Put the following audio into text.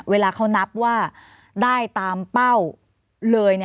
เวลาเขานับว่าได้ตามเป้าเลย